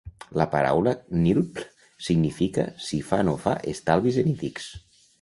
La paraula "knipl" significa si fa no fa "estalvis" en ídix.